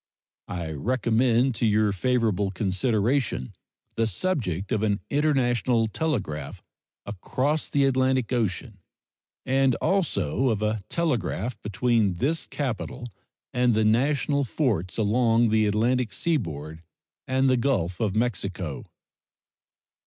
I recommend to your favorable consideration the subject of an international telegraph across the Atlantic Ocean, and also of a telegraph between this capital and the national forts along the Atlantic seaboard and the Gulf of Mexico.